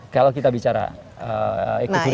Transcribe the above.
kalau kita bicara ekoturisme